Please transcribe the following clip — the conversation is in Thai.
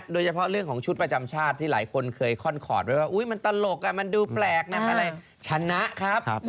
โดยเฉพาะเรื่องของชุดประจำชาติที่หลายคนเคยค่อนคอร์ดไว้ว่ามันตลกมันดูแปลกนะเป็นอะไรชนะครับ